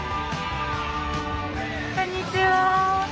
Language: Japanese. こんにちは。